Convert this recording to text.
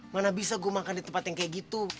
mana bisa gue makan di tempat yang kayak gitu